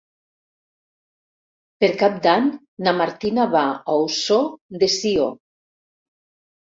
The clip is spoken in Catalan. Per Cap d'Any na Martina va a Ossó de Sió.